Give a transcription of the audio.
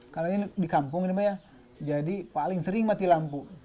kalian di kampung ini pak ya jadi paling sering mati lampu